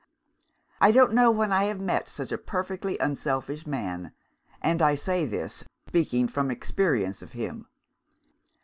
I don't know when I have met with such a perfectly unselfish man and I say this, speaking from experience of him.